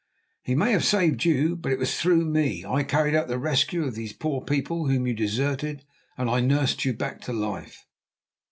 "He may have saved you, but it was through me. I carried out the rescue of these poor people whom you deserted, and I nursed you back to life."